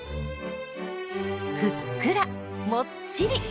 ふっくらもっちり！